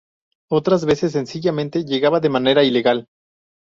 Otras veces sencillamente llega de manera ilegal.